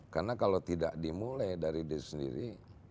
karena kalau tidak dimulai dari diri sendiri